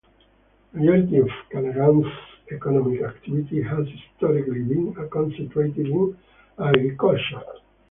Majority of Kananga's economic activity has historically been concentrated in agriculture.